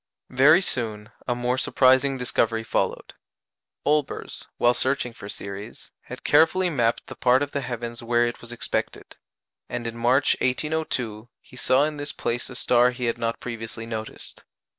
Very soon, a more surprising discovery followed. Olbers, while searching for Ceres, had carefully mapped the part of the heavens where it was expected; and in March, 1802, he saw in this place a star he had not previously noticed.